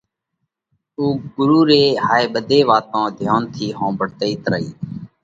اُو ڳرُو ري هائي ٻڌي واتون ڌيونَ ٿِي ۿومڀۯتئِت رئي۔